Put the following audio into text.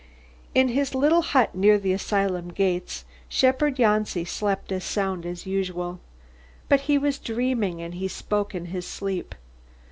In his little hut near the asylum gates, shepherd Janci slept as sound as usual. But he was dreaming and he spoke in his sleep.